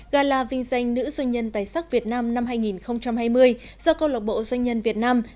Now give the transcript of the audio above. gala vinh danh nữ doanh nhân tài sắc việt nam năm hai nghìn hai mươi do câu lạc bộ doanh nhân việt nam